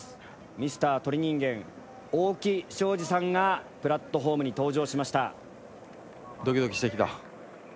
ミスター鳥人間大木祥資さんがプラットホームに登場しました。